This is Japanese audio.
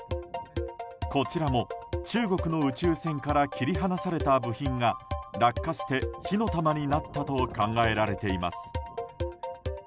こちらも、中国の宇宙船から切り離された部品が落下して火の玉になったと考えられています。